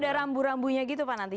ada rambu rambunya gitu pak nanti